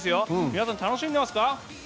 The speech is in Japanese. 皆さん楽しんでいますか？